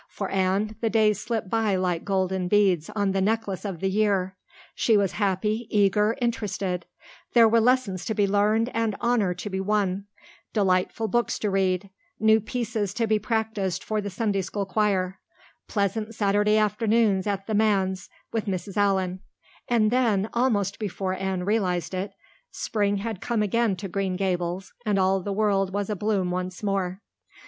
For Anne the days slipped by like golden beads on the necklace of the year. She was happy, eager, interested; there were lessons to be learned and honor to be won; delightful books to read; new pieces to be practiced for the Sunday school choir; pleasant Saturday afternoons at the manse with Mrs. Allan; and then, almost before Anne realized it, spring had come again to Green Gables and all the world was abloom once more.